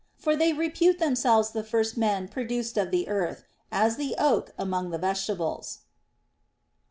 For they repute themselves the first men produced of the earth, as the oak among the vegetables.